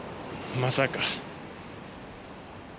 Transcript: まさか。